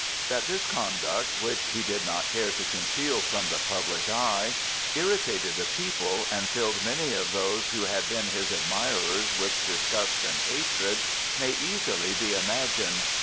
That this conduct, which he did not care to conceal from the public eye, irritated the people and filled many of those who had been his admirers with disgust and hatred may easily be imagined.